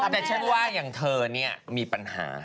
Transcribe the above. แต่ฉันว่าอย่างเธอเนี่ยมีปัญหา